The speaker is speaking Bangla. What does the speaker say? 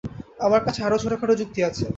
আমার কাছে আরো ছোটখাটো যুক্তি আছে।